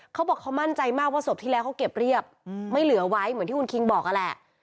เขาบอกเขามั่นใจมากว่าศพที่แล้วเขาเก็บเรียบไม่เหลือไว้เหมือนที่คุณคิงบอกนั่นแหละ